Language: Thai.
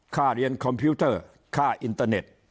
ค่าเรียนคอมพิวเตอร์ค่าอินเตอร์เน็ต